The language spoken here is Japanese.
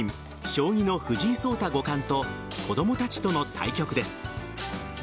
将棋の藤井聡太五冠と子供たちとの対局です。